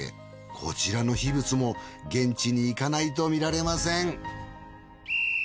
こちらの秘仏も現地に行かないと見られません。